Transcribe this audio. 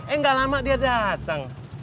eh gak lama dia dateng